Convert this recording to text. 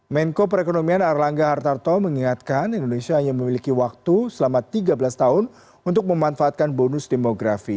menko perekonomian erlangga hartarto mengingatkan indonesia hanya memiliki waktu selama tiga belas tahun untuk memanfaatkan bonus demografi